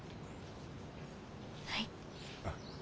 はい。